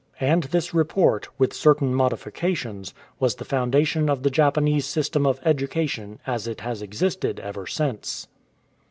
And this report, with certain modifications, was the foundation of the Japanese system of education as it has existed ever since.